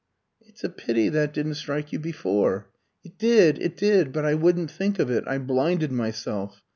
"It's a pity that didn't strike you before." "It did, it did; but I wouldn't think of it. I blinded myself.